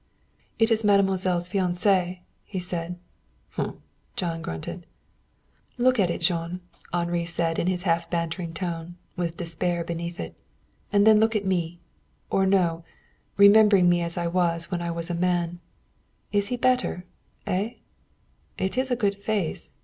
"It is mademoiselle's fiancé," he said. Jean grunted. "Look at it, Jean," Henri said in his half bantering tone, with despair beneath it; "and then look at me. Or no remembering me as I was when I was a man. He is better, eh? It is a good face.